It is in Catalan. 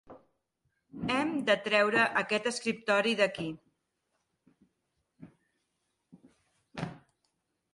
Hem de treure aquest escriptori d'aquí.